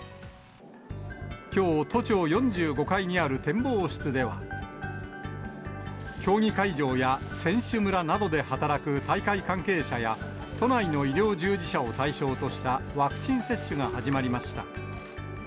きょう、都庁４５階にある展望室では、競技会場や選手村などで働く大会関係者や、都内の医療従事者を対象としたワクチン接種が始まりました。